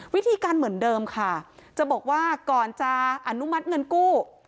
วิธีการเหมือนเดิมค่ะจะบอกว่าก่อนจะอนุมัติเงินกู้